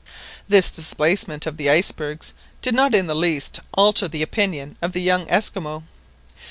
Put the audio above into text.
This displacement of the icebergs did not in the least alter the opinion of the young Esquimaux.